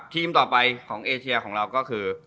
ทีมต่อไปของเอเชียของเราก็คือ